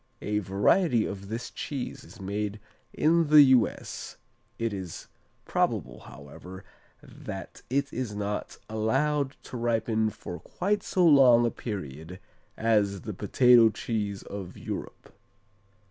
A variety of this cheese is made in the U.S. It is probable, however, that it is not allowed to ripen for quite so long a period as the potato cheese of Europe.